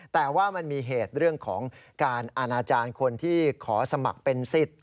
แต่ว่ามันมีเหตุเรื่องของการอาณาจารย์คนที่ขอสมัครเป็นสิทธิ์